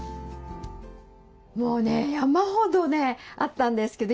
もうね山ほどねあったんですけど